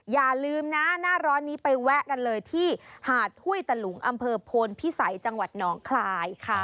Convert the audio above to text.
อย่าลืมนะหน้าร้อนนี้ไปแวะกันเลยที่หาดห้วยตะหลุงอำเภอโพนพิสัยจังหวัดหนองคลายค่ะ